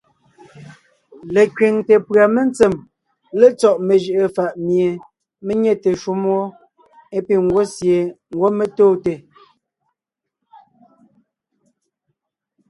Lekẅiŋte pʉ̀a mentsém létsɔ́ mejʉ’ʉ fà’ mie mé nyɛte shúm wó é piŋ ńgwɔ́ sie ńgwɔ́ mé tóonte.